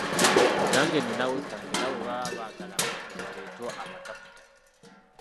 Nange nninawo ettaka era bwe baba baagala amazima baleete abataputa